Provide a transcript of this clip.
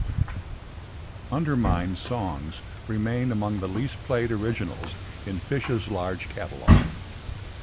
"Undermind"'s songs remain among the least played originals in Phish's large catalog.